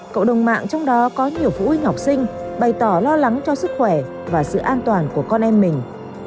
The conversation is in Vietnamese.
cộng đồng mạng trong đó có nhiều phụ huynh học sinh bày tỏ lo lắng cho sức khỏe và sự an toàn của con em mình